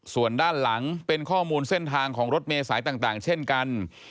ส่วนด้านหลังเป็นข้อมูลเส้นทางของรถเมษายต่างเช่นกัน